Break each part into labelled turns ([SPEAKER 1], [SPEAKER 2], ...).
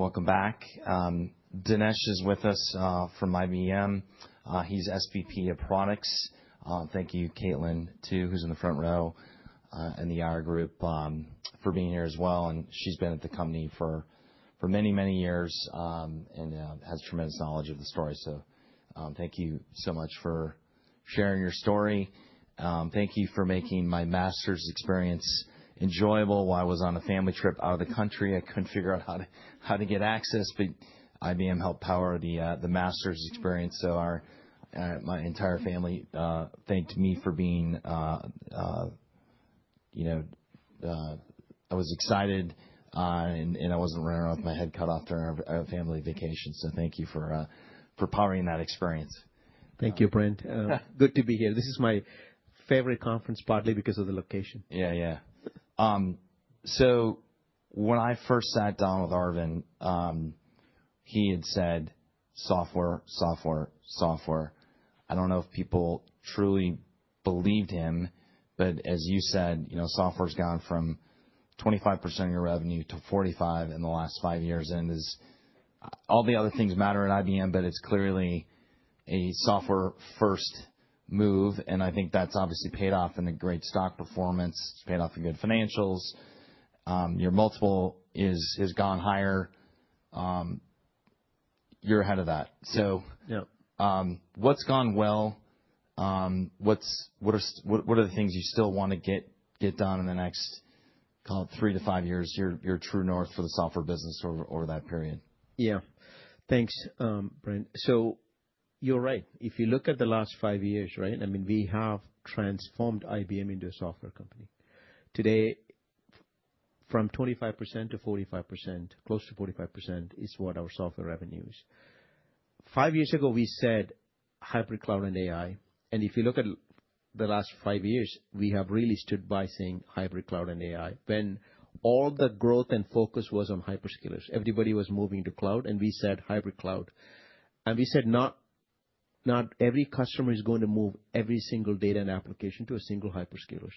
[SPEAKER 1] Welcome back. Dinesh is with us from IBM. He's SVP of products. Thank you, Caitlin, too, who's in the front row, and the IR group for being here as well. She's been at the company for many, many years, and has tremendous knowledge of the story. Thank you so much for sharing your story. Thank you for making my master's experience enjoyable while I was on a family trip out of the country. I couldn't figure out how to get access, but IBM helped power the master's experience. My entire family thanked me for being excited, and I wasn't running around with my head cut off during our family vacation. Thank you for powering that experience.
[SPEAKER 2] Thank you, Brent. Good to be here. This is my favorite conference, partly because of the location.
[SPEAKER 1] Yeah. When I first sat down with Arvind, he had said, "Software." I don't know if people truly believed him, but as you said, software's gone from 25% of your revenue to 45% in the last five years, and all the other things matter at IBM, but it's clearly a software-first move, and I think that's obviously paid off in a great stock performance. It's paid off in good financials. Your multiple has gone higher. You're ahead of that.
[SPEAKER 2] Yep.
[SPEAKER 1] What's gone well? What are the things you still want to get done in the next, call it three to five years, your true north for the software business over that period?
[SPEAKER 2] Yeah. Thanks, Brent. You're right. If you look at the last five years, right, we have transformed IBM into a software company. Today, from 25% to 45%, close to 45% is what our software revenue is. Five years ago, we said hybrid cloud and AI, and if you look at the last five years, we have really stood by saying hybrid cloud and AI. When all the growth and focus was on hyperscalers, everybody was moving to cloud, and we said hybrid cloud. We said not every customer is going to move every single data and application to a single hyperscalers.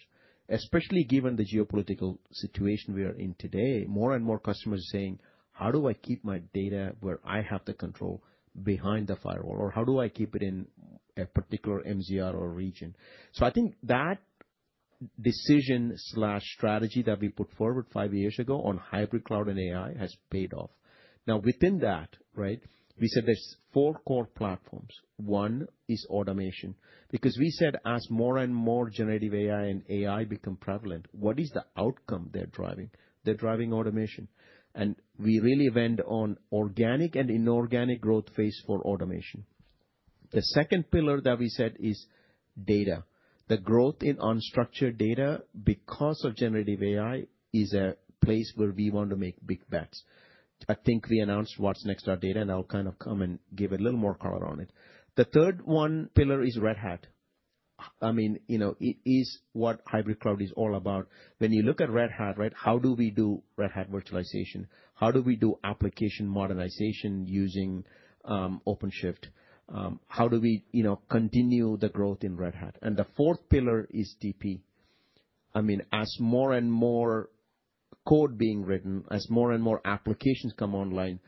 [SPEAKER 2] Especially given the geopolitical situation we are in today, more and more customers are saying, "How do I keep my data where I have the control behind the firewall?" Or, "How do I keep it in a particular MZR or region?" I think that decision/strategy that we put forward five years ago on hybrid cloud and AI has paid off. Now, within that, right, we said there's four core platforms. One is automation, because we said as more and more generative AI and AI become prevalent, what is the outcome they're driving? They're driving automation. We really went on organic and inorganic growth phase for automation. The second pillar that we set is data. The growth in unstructured data, because of generative AI, is a place where we want to make big bets. I think we announced watsonx.data, and I'll kind of come and give a little more color on it. The third pillar is Red Hat. It is what hybrid cloud is all about. When you look at Red Hat, right, how do we do Red Hat virtualization? How do we do application modernization using OpenShift? How do we continue the growth in Red Hat? The fourth pillar is TP. As more and more code being written, as more and more applications come online,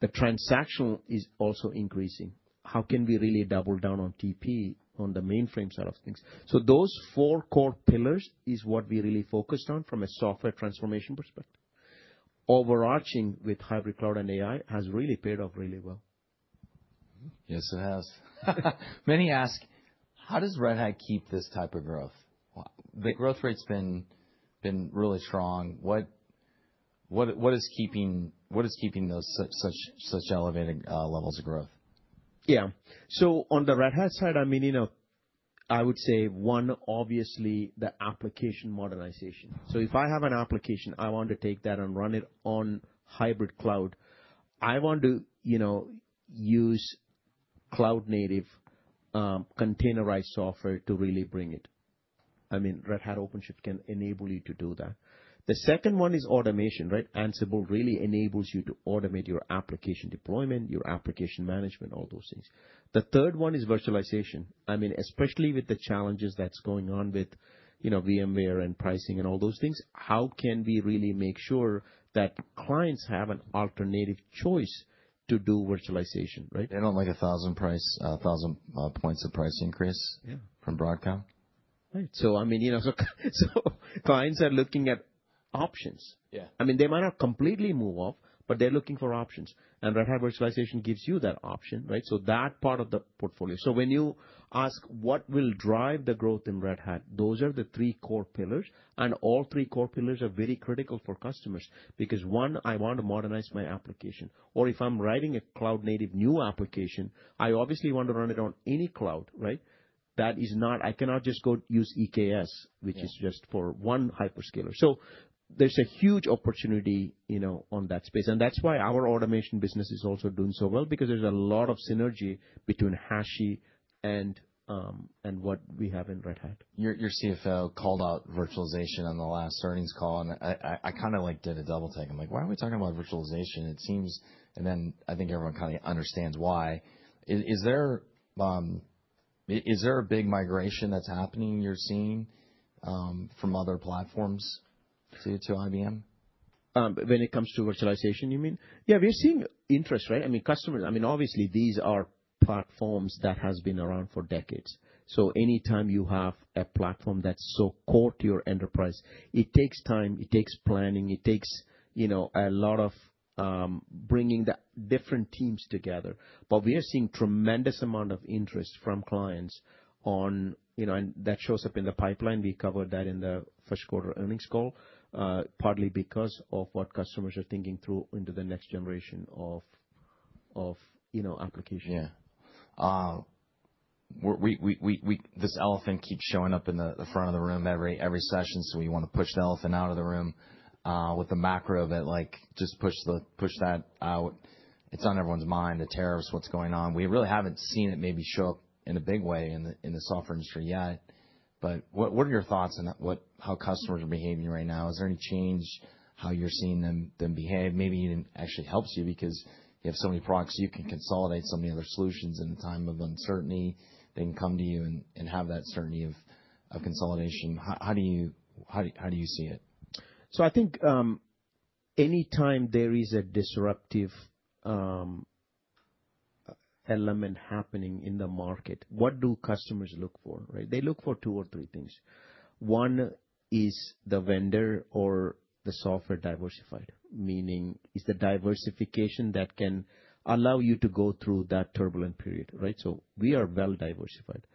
[SPEAKER 2] the transactional is also increasing. How can we really double down on TP on the mainframe side of things? Those four core pillars is what we really focused on from a software transformation perspective. Overarching with hybrid cloud and AI has really paid off really well.
[SPEAKER 1] Yes, it has. Many ask, how does Red Hat keep this type of growth? The growth rate's been really strong. What is keeping those such elevated levels of growth?
[SPEAKER 2] On the Red Hat side, I would say, one, obviously, the application modernization. If I have an application, I want to take that and run it on hybrid cloud. I want to use cloud-native containerized software to really bring it. Red Hat OpenShift can enable you to do that. The second one is automation, right? Ansible really enables you to automate your application deployment, your application management, all those things. The third one is virtualization. Especially with the challenges that's going on with VMware and pricing and all those things, how can we really make sure that clients have an alternative choice to do virtualization, right?
[SPEAKER 1] They don't like 1,000 price, 1,000 points of price increase-
[SPEAKER 2] Yeah
[SPEAKER 1] from Broadcom.
[SPEAKER 2] Right. Clients are looking at options.
[SPEAKER 1] Yeah.
[SPEAKER 2] They might not completely move off, but they're looking for options, and Red Hat virtualization gives you that option, right? That part of the portfolio. When you ask what will drive the growth in Red Hat, those are the three core pillars, and all three core pillars are very critical for customers. Because, one, I want to modernize my application. Or if I'm writing a cloud-native new application, I obviously want to run it on any cloud, right? I cannot just go use EKS
[SPEAKER 1] Yeah
[SPEAKER 2] which is just for one hyperscaler. There's a huge opportunity on that space. That's why our automation business is also doing so well, because there's a lot of synergy between HashiCorp and what we have in Red Hat.
[SPEAKER 1] Your CFO called out virtualization on the last earnings call, I kind of did a double take. I'm like, "Why are we talking about virtualization?" I think everyone kind of understands why. Is there a big migration that's happening you're seeing from other platforms to IBM?
[SPEAKER 2] When it comes to virtualization, you mean? Yeah, we're seeing interest, right? Obviously, these are platforms that have been around for decades. Any time you have a platform that's so core to your enterprise, it takes time, it takes planning, it takes a lot of bringing the different teams together. We are seeing a tremendous amount of interest from clients, that shows up in the pipeline. We covered that in the first quarter earnings call, partly because of what customers are thinking through into the next generation of application.
[SPEAKER 1] Yeah. This elephant keeps showing up in the front of the room every session. We want to push the elephant out of the room. With the macro of it, just push that out. It's on everyone's mind, the tariffs, what's going on. We really haven't seen it maybe show up in a big way in the software industry yet. What are your thoughts on how customers are behaving right now? Is there any change how you're seeing them behave? Maybe it even actually helps you because you have so many products you can consolidate so many other solutions in a time of uncertainty. They can come to you and have that certainty of consolidation. How do you see it?
[SPEAKER 2] I think any time there is a disruptive element happening in the market, what do customers look for? They look for two or three things. One, is the vendor or the software diversified? Meaning, is the diversification that can allow you to go through that turbulent period. We are well-diversified.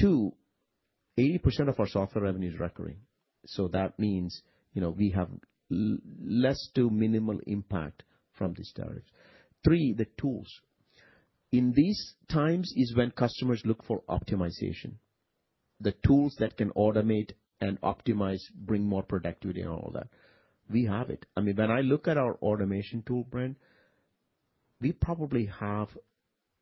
[SPEAKER 2] Two, 80% of our software revenue is recurring. That means we have less to minimal impact from these tariffs. Three, the tools. In these times is when customers look for optimization. The tools that can automate and optimize, bring more productivity and all that. We have it. When I look at our automation tool, Brent, we probably have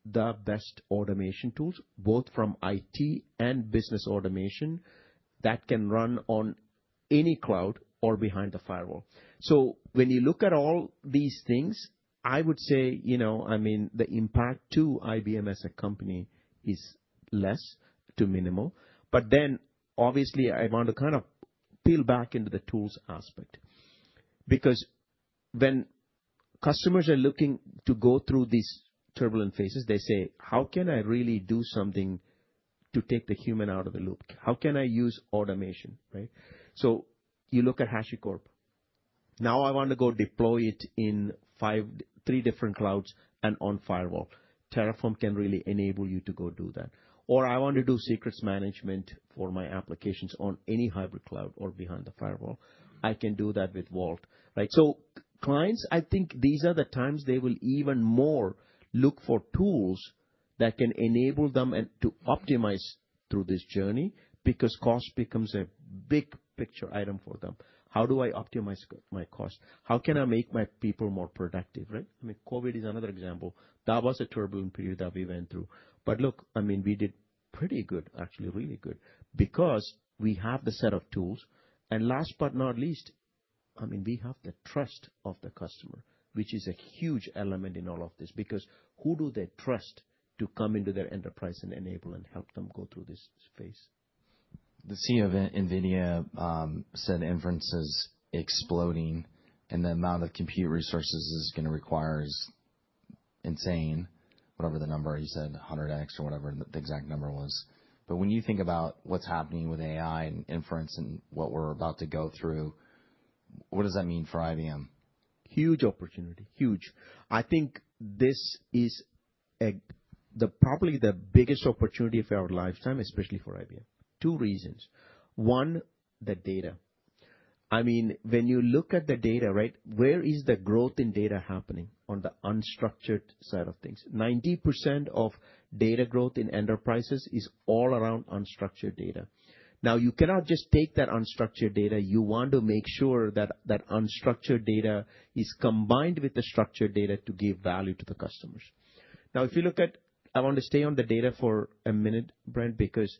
[SPEAKER 2] the best automation tools, both from IT and business automation, that can run on any cloud or behind the firewall. When you look at all these things, I would say, the impact to IBM as a company is less to minimal. Obviously, I want to kind of peel back into the tools aspect. Because when customers are looking to go through these turbulent phases, they say, "How can I really do something to take the human out of the loop? How can I use automation?" You look at HashiCorp. Now I want to go deploy it in three different clouds and on firewall. Terraform can really enable you to go do that. I want to do secrets management for my applications on any hybrid cloud or behind the firewall. I can do that with Vault. Clients, I think these are the times they will even more look for tools that can enable them and to optimize through this journey, because cost becomes a big picture item for them. How do I optimize my cost? How can I make my people more productive? COVID is another example. That was a turbulent period that we went through. Look, we did pretty good, actually, really good, because we have the set of tools. Last but not least, we have the trust of the customer, which is a huge element in all of this, because who do they trust to come into their enterprise and enable and help them go through this phase?
[SPEAKER 1] The CEO of NVIDIA said inference is exploding, and the amount of compute resources it's going to require is insane, whatever the number he said, 100X or whatever the exact number was. When you think about what's happening with AI and inference and what we're about to go through, what does that mean for IBM?
[SPEAKER 2] Huge opportunity. Huge. I think this is probably the biggest opportunity of our lifetime, especially for IBM. Two reasons. One, the data. When you look at the data, where is the growth in data happening? On the unstructured side of things. 90% of data growth in enterprises is all around unstructured data. You cannot just take that unstructured data. You want to make sure that that unstructured data is combined with the structured data to give value to the customers. I want to stay on the data for a minute, Brent, because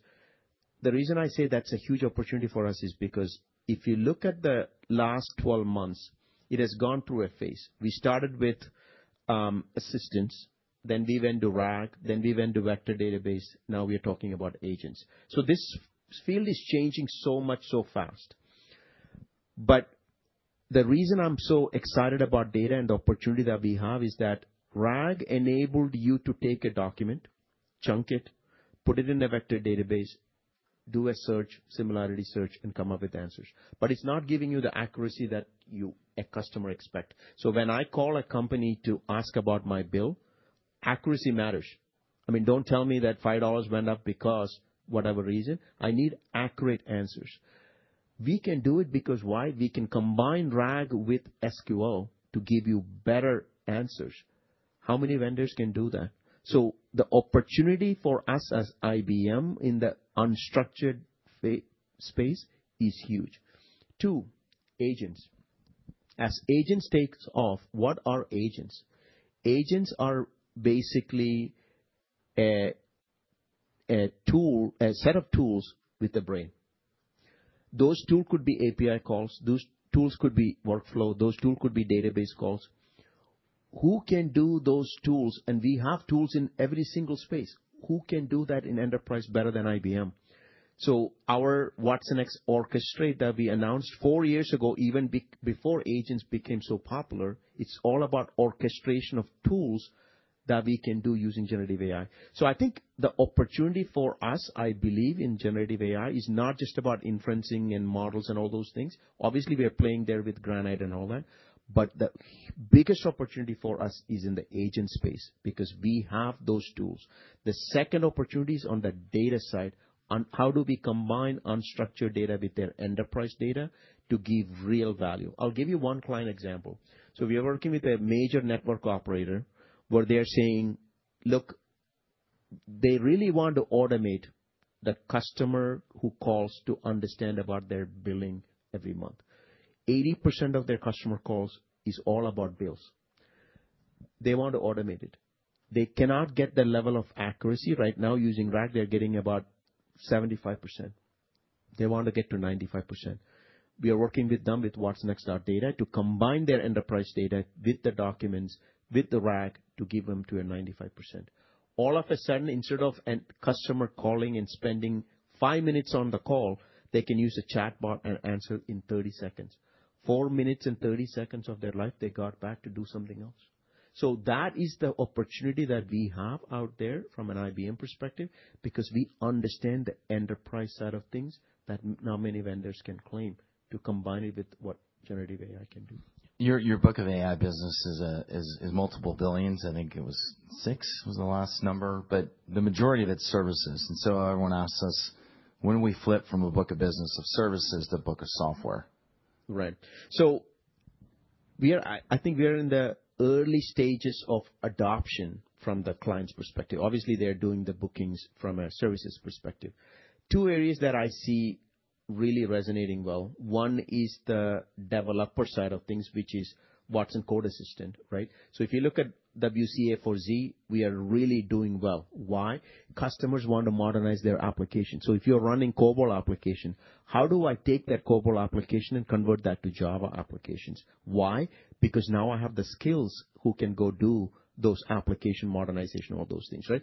[SPEAKER 2] the reason I say that's a huge opportunity for us is because if you look at the last 12 months, it has gone through a phase. We started with assistants, then we went to RAG, then we went to vector database. We're talking about agents. This field is changing so much, so fast. The reason I'm so excited about data and the opportunity that we have is that RAG enabled you to take a document, chunk it, put it in a vector database, do a similarity search, and come up with answers. It's not giving you the accuracy that a customer expects. When I call a company to ask about my bill, accuracy matters. Don't tell me that $5 went up because whatever reason. I need accurate answers. We can do it because, why? We can combine RAG with SQL to give you better answers. How many vendors can do that? The opportunity for us as IBM in the unstructured space is huge. Two, agents. As agents take off, what are agents? Agents are basically a set of tools with a brain. Those tools could be API calls. Those tools could be workflow. Those tools could be database calls. Who can do those tools, and we have tools in every single space. Who can do that in enterprise better than IBM? Our watsonx Orchestrate that we announced four years ago, even before agents became so popular, it's all about orchestration of tools that we can do using generative AI. I think the opportunity for us, I believe, in generative AI, is not just about inferencing and models and all those things. Obviously, we are playing there with Granite and all that, but the biggest opportunity for us is in the agent space because we have those tools. The second opportunity is on the data side on how do we combine unstructured data with their enterprise data to give real value. I'll give you one client example. We are working with a major network operator where they're saying, look, they really want to automate the customer who calls to understand about their billing every month. 80% of their customer calls is all about bills. They want to automate it. They cannot get the level of accuracy. Right now, using RAG, they're getting about 75%. They want to get to 95%. We are working with them with watsonx.data to combine their enterprise data with the documents, with the RAG, to give them to a 95%. All of a sudden, instead of a customer calling and spending five minutes on the call, they can use a chatbot and answer in 30 seconds. Four minutes and 30 seconds of their life they got back to do something else. That is the opportunity that we have out there from an IBM perspective because we understand the enterprise side of things that not many vendors can claim to combine it with what generative AI can do.
[SPEAKER 1] Your book of AI business is multiple billions. I think it was six, was the last number, but the majority of it's services. Everyone asks us when we flip from a book of business of services to book of software.
[SPEAKER 2] I think we are in the early stages of adoption from the client's perspective. Obviously, they're doing the bookings from a services perspective. Two areas that I see really resonating well, one is the developer side of things, which is watsonx Code Assistant, right? If you look at WCA for Z, we are really doing well. Why? Customers want to modernize their application. If you're running COBOL application, how do I take that COBOL application and convert that to Java applications? Why? Because now I have the skills who can go do those application modernization, all those things, right?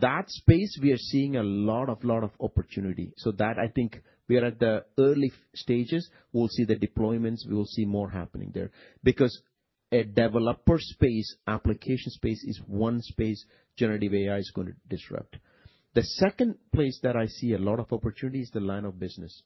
[SPEAKER 2] That space, we are seeing a lot of opportunity. That I think we are at the early stages. We'll see the deployments, we will see more happening there. Because a developer space, application space is one space generative AI is going to disrupt. The second place that I see a lot of opportunity is the line of business.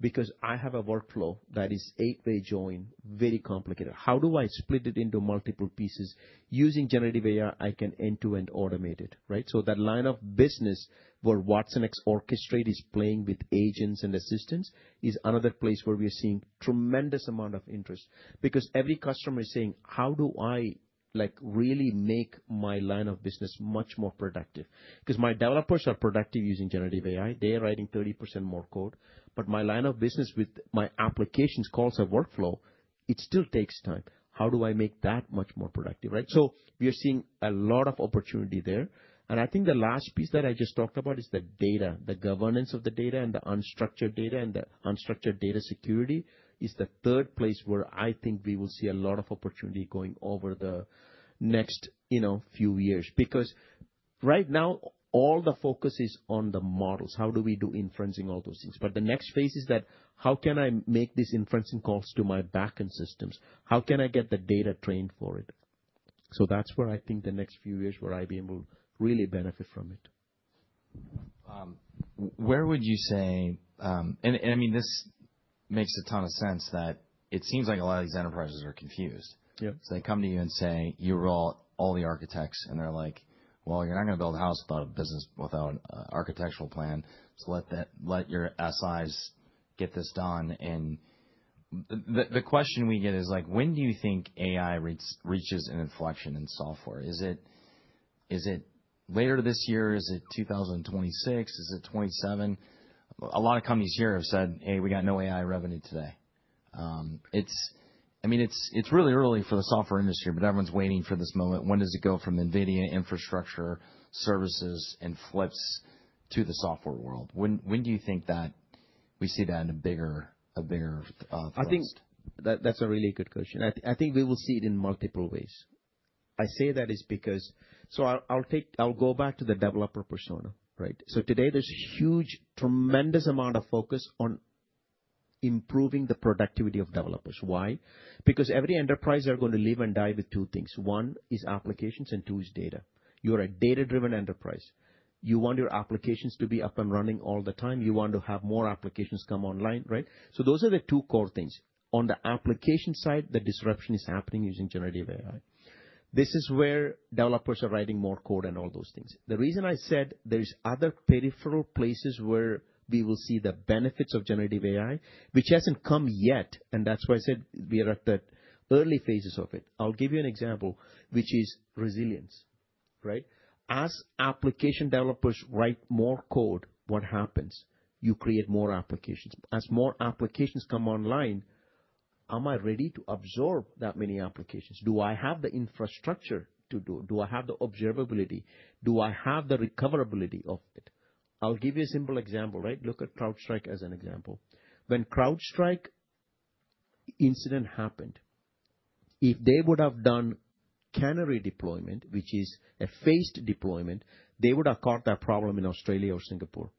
[SPEAKER 2] Because I have a workflow that is eight-way join, very complicated. How do I split it into multiple pieces? Using generative AI, I can end-to-end automate it, right? That line of business where watsonx Orchestrate is playing with agents and assistants is another place where we are seeing tremendous amount of interest because every customer is saying, "How do I really make my line of business much more productive?" Because my developers are productive using generative AI. They are writing 30% more code. My line of business with my applications, calls, and workflow, it still takes time. How do I make that much more productive, right? We are seeing a lot of opportunity there. I think the last piece that I just talked about is the data, the governance of the data and the unstructured data and the unstructured data security is the third place where I think we will see a lot of opportunity going over the next few years. Right now, all the focus is on the models. How do we do inferencing all those things? The next phase is that, how can I make these inferencing calls to my backend systems? How can I get the data trained for it? That's where I think the next few years where IBM will really benefit from it.
[SPEAKER 1] This makes a ton of sense that it seems like a lot of these enterprises are confused.
[SPEAKER 2] Yep.
[SPEAKER 1] They come to you and say, you're all the architects, and they're like, "Well, you're not going to build a house without a business, without architectural plan. Let your SIs get this done." The question we get is, when do you think AI reaches an inflection in software? Is it later this year? Is it 2026? Is it 2027? A lot of companies here have said, "Hey, we got no AI revenue today." It's really early for the software industry, but everyone's waiting for this moment. When does it go from NVIDIA infrastructure services and flips to the software world? When do you think that we see that in a bigger thrust?
[SPEAKER 2] I think that's a really good question. I think we will see it in multiple ways. I will go back to the developer persona, right? Today, there's huge, tremendous amount of focus on improving the productivity of developers. Why? Every enterprise are going to live and die with two things. One is applications, and two is data. You are a data-driven enterprise. You want your applications to be up and running all the time. You want to have more applications come online, right? Those are the two core things. On the application side, the disruption is happening using generative AI. This is where developers are writing more code and all those things. The reason I said there's other peripheral places where we will see the benefits of generative AI, which hasn't come yet, and that's why I said we are at the early phases of it. I will give you an example, which is resilience, right? As application developers write more code, what happens? You create more applications. As more applications come online, am I ready to absorb that many applications? Do I have the infrastructure to do? Do I have the observability? Do I have the recoverability of it? I will give you a simple example. Look at CrowdStrike as an example. When CrowdStrike incident happened, if they would have done canary deployment, which is a phased deployment, they would have caught that problem in Australia or Singapore.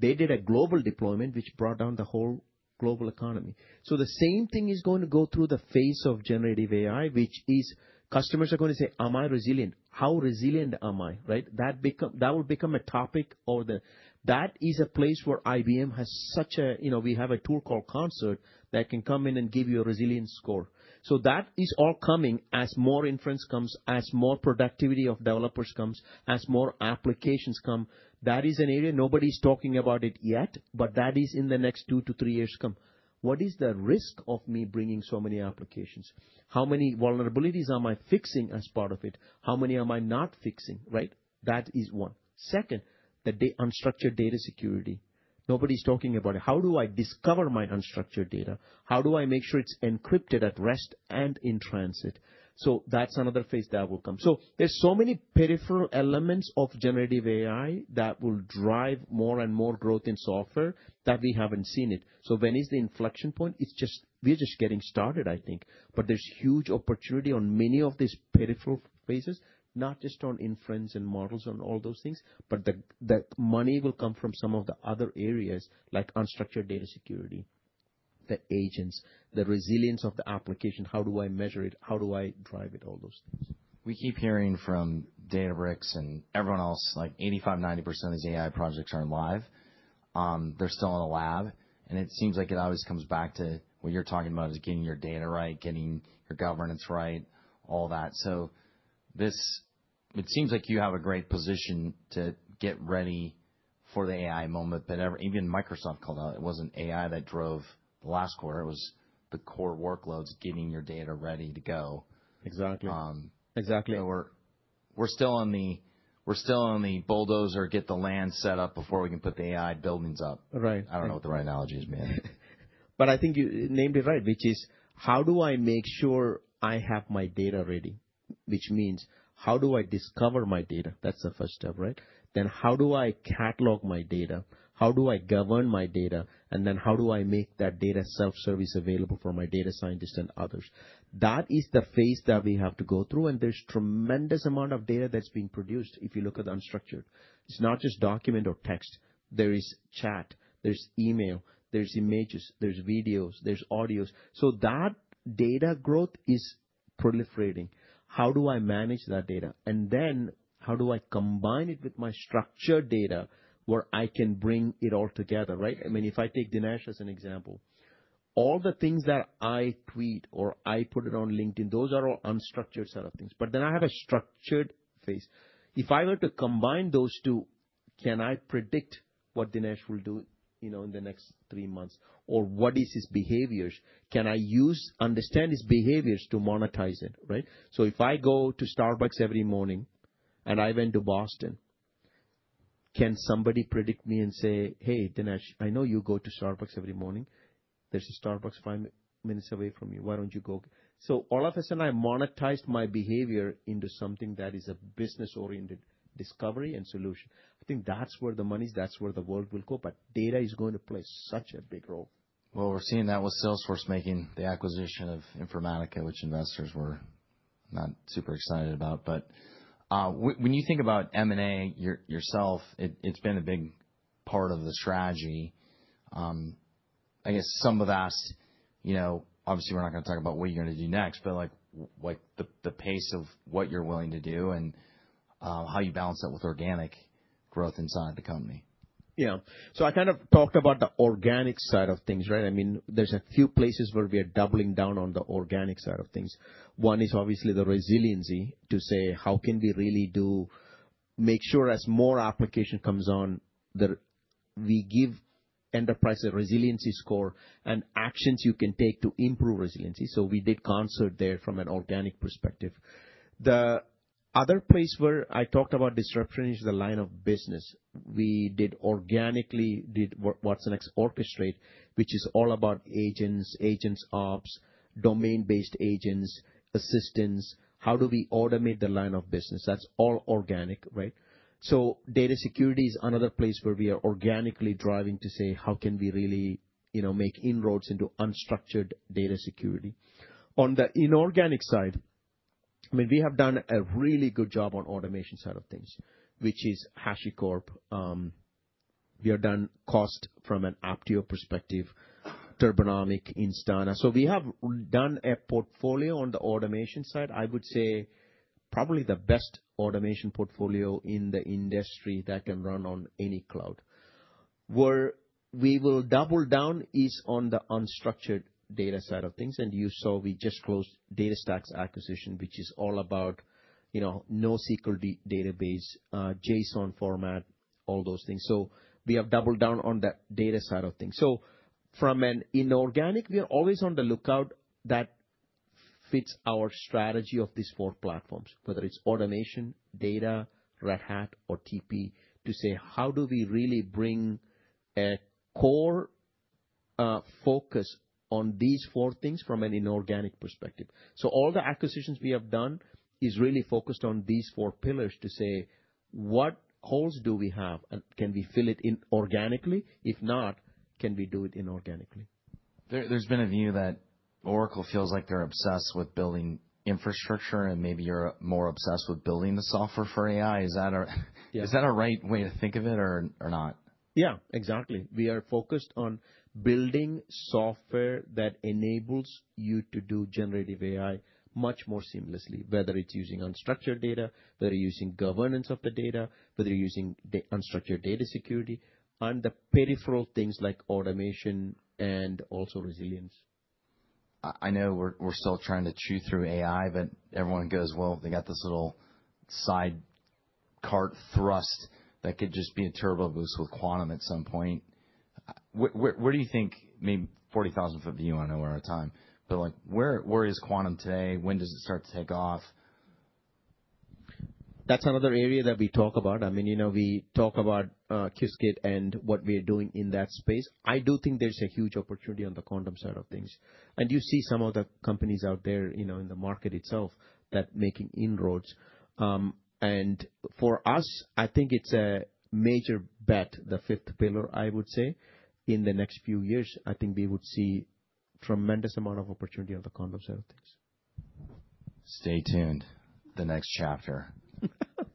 [SPEAKER 2] They did a global deployment, which brought down the whole global economy. The same thing is going to go through the phase of generative AI, which is customers are going to say, "Am I resilient? How resilient am I?" That will become a topic or that is a place where IBM has. We have a tool called Concert that can come in and give you a resilience score. That is all coming as more inference comes, as more productivity of developers comes, as more applications come. That is an area nobody's talking about it yet, but that is in the next 2 to 3 years come. What is the risk of me bringing so many applications? How many vulnerabilities am I fixing as part of it? How many am I not fixing? That is one. Second, the unstructured data security. Nobody's talking about it. How do I discover my unstructured data? How do I make sure it's encrypted at rest and in transit? That's another phase that will come. There's so many peripheral elements of generative AI that will drive more and more growth in software that we haven't seen it. When is the inflection point? We're just getting started, I think. There's huge opportunity on many of these peripheral phases, not just on inference and models on all those things, but the money will come from some of the other areas like unstructured data security, the agents, the resilience of the application, how do I measure it, how do I drive it, all those things.
[SPEAKER 1] We keep hearing from Databricks and everyone else, like 85%-90% of these AI projects aren't live. They're still in a lab, and it seems like it always comes back to what you're talking about, is getting your data right, getting your governance right, all that. It seems like you have a great position to get ready for the AI moment that every Even Microsoft called out it wasn't AI that drove the last quarter, it was the core workloads, getting your data ready to go.
[SPEAKER 2] Exactly.
[SPEAKER 1] We're still on the bulldozer, get the land set up before we can put the AI buildings up.
[SPEAKER 2] Right.
[SPEAKER 1] I don't know what the right analogy is, man.
[SPEAKER 2] I think you named it right, which is how do I make sure I have my data ready? Which means how do I discover my data? That's the first step, right? How do I catalog my data? How do I govern my data? How do I make that data self-service available for my data scientists and others? That is the phase that we have to go through, and there's tremendous amount of data that's being produced if you look at unstructured. It's not just document or text. There is chat, there's email, there's images, there's videos, there's audios. That data growth is proliferating. How do I manage that data? How do I combine it with my structured data where I can bring it all together, right? If I take Dinesh as an example, all the things that I tweet or I put it on LinkedIn, those are all unstructured set of things. I have a structured phase. If I were to combine those two, can I predict what Dinesh will do in the next three months? What is his behaviors? Can I understand his behaviors to monetize it, right? If I go to Starbucks every morning and I went to Boston, can somebody predict me and say, "Hey, Dinesh, I know you go to Starbucks every morning. There's a Starbucks five minutes away from you. Why don't you go?" All of a sudden, I monetized my behavior into something that is a business-oriented discovery and solution. I think that's where the money is, that's where the world will go. Data is going to play such a big role.
[SPEAKER 1] Well, we're seeing that with Salesforce making the acquisition of Informatica, which investors were not super excited about. When you think about M&A yourself, it's been a big part of the strategy. I guess some of that's, obviously we're not going to talk about what you're going to do next, but the pace of what you're willing to do and how you balance that with organic growth inside the company.
[SPEAKER 2] Yeah. I talked about the organic side of things. There's a few places where we are doubling down on the organic side of things. One is obviously the resiliency to say, how can we really make sure as more application comes on, that we give enterprise a resiliency score and actions you can take to improve resiliency. We did Concert there from an organic perspective. The other place where I talked about disruption is the line of business. We did organically watsonx Orchestrate, which is all about agents, AgentOps, domain-based agents, assistants. How do we automate the line of business? That's all organic, right? Data security is another place where we are organically driving to say, how can we really make inroads into unstructured data security? On the inorganic side, we have done a really good job on automation side of things, which is HashiCorp. We have done cost from an Apptio perspective, Turbonomic, Instana. We have done a portfolio on the automation side. I would say probably the best automation portfolio in the industry that can run on any cloud. Where we will double down is on the unstructured data side of things. You saw we just closed DataStax acquisition, which is all about NoSQL database, JSON format, all those things. We have doubled down on that data side of things. From an inorganic, we are always on the lookout that fits our strategy of these four platforms, whether it's automation, data, Red Hat, or TP, to say, how do we really bring a core focus on these four things from an inorganic perspective? All the acquisitions we have done is really focused on these four pillars to say, what holes do we have? Can we fill it in organically? If not, can we do it inorganically?
[SPEAKER 1] There's been a view that Oracle feels like they're obsessed with building infrastructure, and maybe you're more obsessed with building the software for AI. Is that a right way to think of it or not?
[SPEAKER 2] Yeah, exactly. We are focused on building software that enables you to do generative AI much more seamlessly, whether it's using unstructured data, whether using governance of the data, whether using unstructured data security, and the peripheral things like automation and also resilience.
[SPEAKER 1] I know we're still trying to chew through AI, but everyone goes, well, they got this little side cart thrust that could just be a turbo boost with quantum at some point. Where do you think, maybe 40,000 foot view, I know we're out of time, but where is quantum today? When does it start to take off?
[SPEAKER 2] That's another area that we talk about. We talk about Qiskit and what we are doing in that space. I do think there's a huge opportunity on the quantum side of things. You see some of the companies out there in the market itself that making inroads. For us, I think it's a major bet, the fifth pillar, I would say. In the next few years, I think we would see tremendous amount of opportunity on the quantum side of things.
[SPEAKER 1] Stay tuned. The next chapter.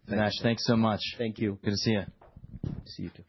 [SPEAKER 1] Dinesh, thanks so much.
[SPEAKER 2] Thank you.
[SPEAKER 1] Good to see you.
[SPEAKER 2] See you too.